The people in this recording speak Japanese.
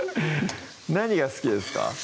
何が好きですか？